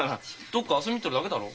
どっか遊びに行ってるだけだろ。